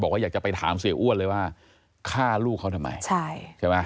ก็บอกว่าก็อยากจะไปถามเสียอ้วนเลยว่าการฆ่าลูกเขาทำไม